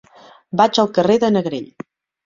Vaig al carrer de Negrell.